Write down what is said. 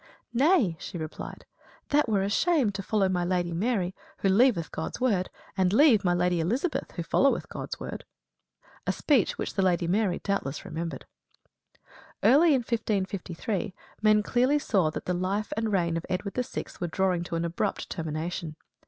"Nay," she replied, "that were a shame, to follow my Lady Mary, who leaveth God's word, and leave my Lady Elizabeth who followeth God's word." A speech which the Lady Mary doubtless remembered. Early in 1553, men clearly saw that the life and reign of Edward VI. were drawing to an abrupt termination.